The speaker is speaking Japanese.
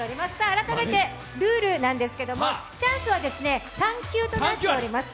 改めてルールなんですけれども、チャンスは３球となっております。